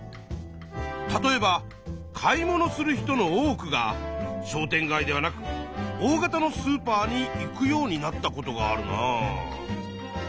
例えば買い物する人の多くが商店街ではなく大型のスーパーに行くようになったことがあるな。